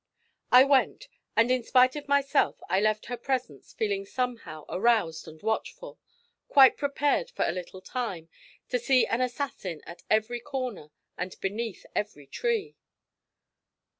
I went, and in spite of myself I left her presence feeling somehow aroused and watchful quite prepared, for a little time, to see an assassin at every corner and beneath every tree.